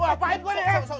eh apaan gua nih eh